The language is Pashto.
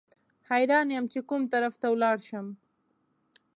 حیران یم چې کوم طرف ته ولاړ شم.